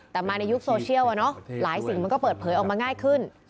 แต่มาในยุคโซเชียลหลายสิ่งมันก็เปิดเผยออกมาง่ายขึ้น